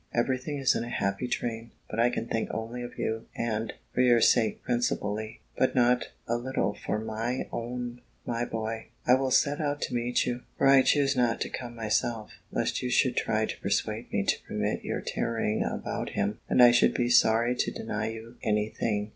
Everything is in a happy train; but I can think only of you, and (for your sake principally, but not a little for my own) my boy. I will set out to meet you; for I choose not to come myself, lest you should try to persuade me to permit your tarrying about him; and I should be sorry to deny you any thing.